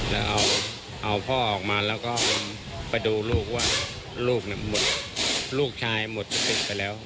แล้วเอาพ่อออกมาแล้วก็ไปดูลูกว่าลูกหมดลูกชายหมดสติไปแล้ว